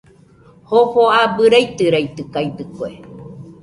Jofo abɨ raitɨraitɨkaɨdɨkue.